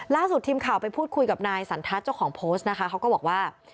ล่าสุดทีมข่าวไปพูดคุยกับนายสันทัศน์เจ้าของโพสต์นะคะเขาก็บอกว่า